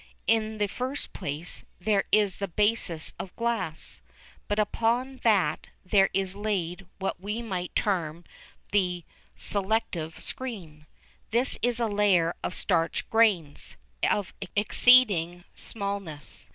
In the first place, there is the basis of glass, but upon that there is laid what we might term the selective screen. This is a layer of starch grains, of exceeding smallness.